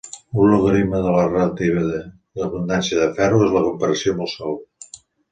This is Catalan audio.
Un logaritme de la relativa abundància de ferro és la comparació amb el sol.